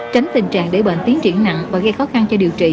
tránh tình trạng để bệnh tiến triển nặng và gây khó khăn cho điều trị